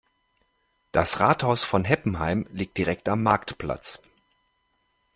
Das Rathaus von Heppenheim liegt direkt am Marktplatz.